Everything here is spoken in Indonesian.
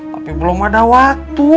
tapi belum ada waktu